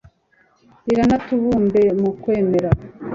riranatubumbe mu kwemera